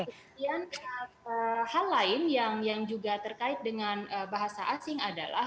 kemudian hal lain yang juga terkait dengan bahasa asing adalah